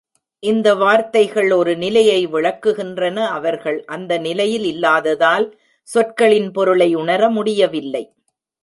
இந்த வார்த்தைகள் ஒரு நிலையை விளக்குகின்றன அவர்கள் அந்த நிலையில் இல்லாததால், சொற்களின் பொருளை உணர முடியவில்லை.